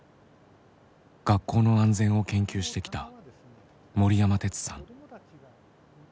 学校の安全を研究してきた森山哲さん。